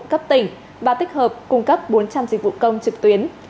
cấp tỉnh và tích hợp cung cấp bốn trăm linh dịch vụ công trực tuyến